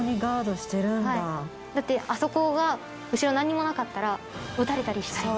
だってあそこが後ろなんにもなかったらうたれたりしたり。